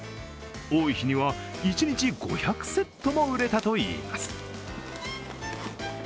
多い日には一日５００セットも売れたといいます。